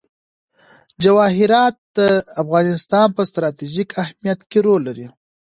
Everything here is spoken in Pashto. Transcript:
جواهرات د افغانستان په ستراتیژیک اهمیت کې رول لري.